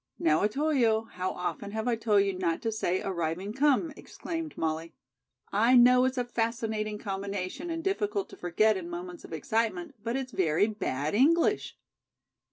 "Now, Otoyo, how often have I told you not to say 'arriving come,'" exclaimed Molly. "I know it's a fascinating combination and difficult to forget in moments of excitement, but it's very bad English."